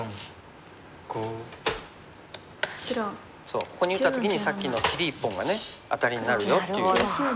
そうここに打った時にさっきの切り１本がねアタリになるよっていう。